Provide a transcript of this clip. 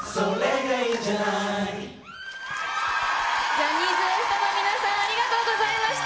ジャニーズＷＥＳＴの皆さん、ありがとうございました。